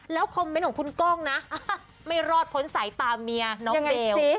คอมเมนต์ของคุณกล้องนะไม่รอดพ้นสายตาเมียน้องเบล